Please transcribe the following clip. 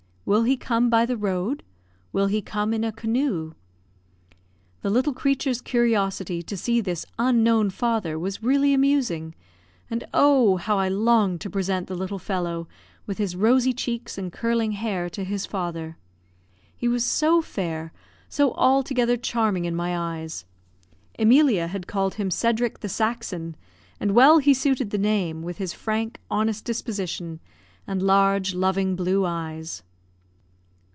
"Will he come by the road?" "Will he come in a canoe?" The little creature's curiosity to see this unknown father was really amusing; and oh! how I longed to present the little fellow, with his rosy cheeks and curling hair, to his father; he was so fair, so altogether charming in my eyes. Emilia had called him Cedric the Saxon; and he well suited the name, with his frank, honest disposition, and large, loving blue eyes.